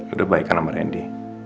udah baik kan sama rendy